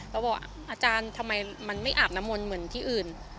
เขาบอกอาจารย์ทำไมมันไม่อาบน้ำมนต์เหมือนที่อื่น